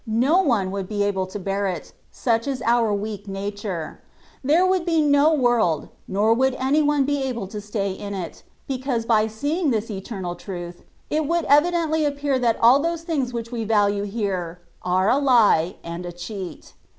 No one would be able to bear it^ such is our weak nature; there would be no worlds nor would any one be able to stay in it^ because by seeing this eternal truths it would evidently appear that all those things which we value here^ are a lie and a cheat.